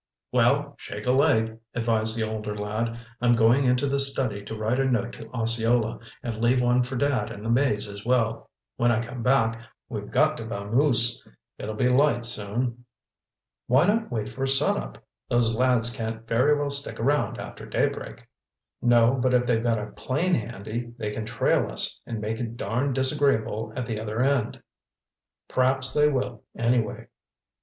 "Well, shake a leg," advised the older lad. "I'm going into the study to write a note to Osceola, and leave one for Dad and the maids as well. When I come back, we've got to vamoose. It'll be light soon." "Why not wait for sunup? Those lads can't very well stick around after daybreak." "No, but if they've got a plane handy, they can trail us and make it darned disagreeable at the other end." "P'raps they will, anyway."